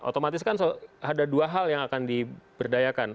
otomatis kan ada dua hal yang akan diberdayakan